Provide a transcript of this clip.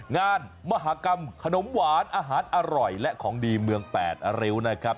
งานมหากรรมขนมหวานอาหารอร่อยและของดีเมืองแปดริ้วนะครับ